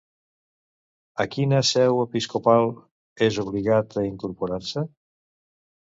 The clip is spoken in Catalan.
A quina seu episcopal és obligat a incorporar-se?